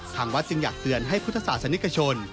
ทางวัดจึงอยากเตือนให้พุทธศาสนิกชน